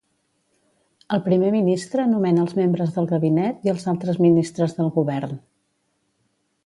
El primer ministre nomena els membres del Gabinet i els altres ministres del govern.